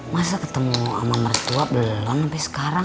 masa ketemu sama mertua belum sampe sekarang